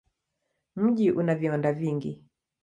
Mji una viwanda vingi.